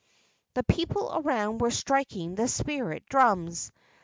The people around were striking the spirit drums.